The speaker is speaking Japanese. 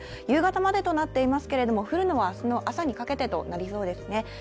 夕方までとなっていますけれども、降るのは明日の朝にかけてとなりそうですね。